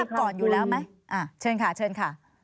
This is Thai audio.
รู้จักก่อนอยู่แล้วไหมอ่ะเชิญค่ะ